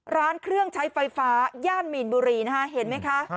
ร้านเครื่องใช้ไฟฟ้าย่านมีนบุรีนะคะเห็นไหมคะ